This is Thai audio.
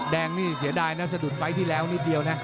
แดงนี่เสียดายนะสะดุดไฟล์ที่แล้วนิดเดียวนะ